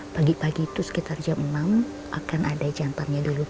pagi pagi itu sekitar jam enam akan ada jantannya dulu